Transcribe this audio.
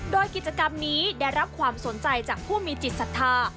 โดยกิจกรรมนี้ได้รับความสนใจจากผู้มีจิตศรัทธา